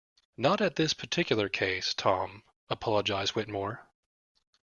Not at this particular case, Tom, apologized Whittemore.